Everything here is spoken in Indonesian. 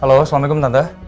halo assalamualaikum tante